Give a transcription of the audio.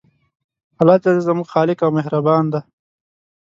الله ج زموږ خالق او مهربان دی